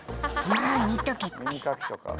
「まぁ見とけって」